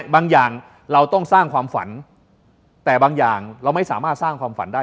บางอย่างเราต้องสร้างความฝันแต่บางอย่างเราไม่สามารถสร้างความฝันได้